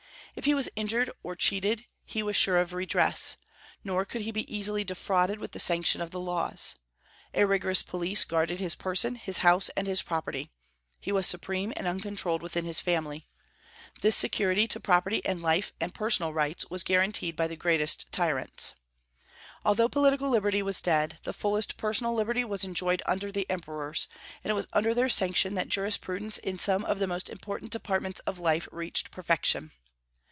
If he was injured or cheated, he was sure of redress; nor could he be easily defrauded with the sanction of the laws. A rigorous police guarded his person, his house, and his property; he was supreme and uncontrolled within his family. This security to property and life and personal rights was guaranteed by the greatest tyrants. Although political liberty was dead, the fullest personal liberty was enjoyed under the emperors, and it was under their sanction that jurisprudence in some of the most important departments of life reached perfection.